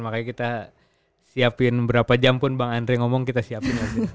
makanya kita siapin berapa jam pun bang andre ngomong kita siapin aja